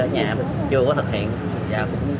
nhà chưa có thực hiện